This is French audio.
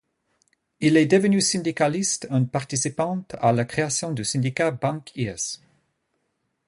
Il est devenu syndicaliste en participant à la création du syndicat Bank-İş.